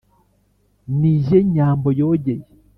Ni jye Nyambo yogeye